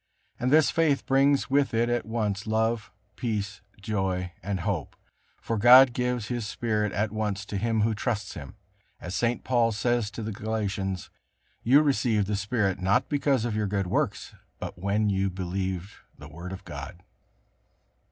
And this faith brings with it at once love, peace, joy and hope. For God gives His Spirit at once to him who trusts Him, as St. Paul says to the Galatians: "You received the Spirit not because of your good works, but when you believed the Word of God."